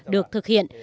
được thực hiện